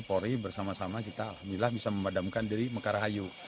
polri bersama sama kita alhamdulillah bisa memadamkan dari mekarahayu